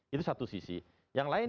itu satu sisi yang lain